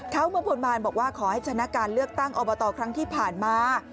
เขามาบนบานบอกว่าขอให้ชนะการเลือกตั้งอบตครั้งที่ผ่านมา